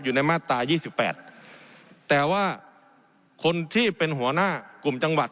อยู่ในมาตรายี่สิบแปดแต่ว่าคนที่เป็นหัวหน้ากลุ่มจังหวัด